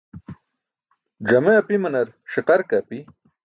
Ẓame apimanar ṣiqar ke api.